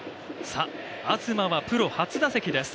東はプロ初打席です。